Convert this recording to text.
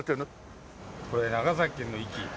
これ長崎県の壱岐。